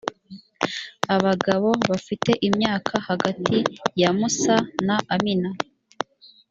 abagabo bafite imyaka hagati yamusa na amina